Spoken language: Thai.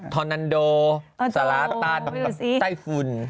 ทอนนันโดสลาตอันแต้ฟุน